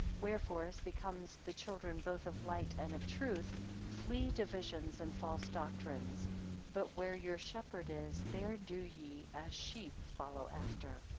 5 Wherefore as becomes the children both of the light and of truth; flee divisions and false doctrines; but where your shepherd is, there do ye, as sheep, follow after.